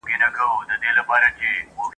چی دا نن دي یم ژغورلی له انسانه ..